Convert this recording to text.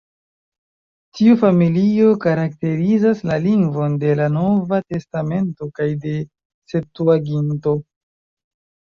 Tiu familio karakterizas la lingvon de la Nova Testamento kaj de Septuaginto.